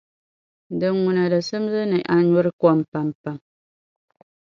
dinŋuna di simdi ni a nyuri kom pampam.